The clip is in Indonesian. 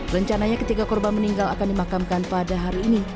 rencananya ketiga korban meninggal akan dimakamkan pada hari ini